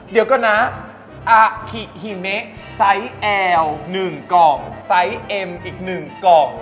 เดี๋ยวก่อนนะอาคิฮิเมะไซส์แอล๑กล่องไซส์เอ็มอีก๑กล่อง